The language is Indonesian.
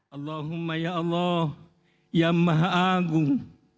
allahumma ya allah ya maha agung